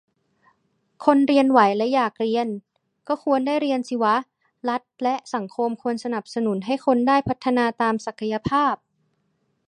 คนเรียนไหวและอยากจะเรียน ก็ควรได้เรียนสิวะ รัฐและสังคมควรสนับสนุนให้คนได้พัฒนาตามศักยภาพ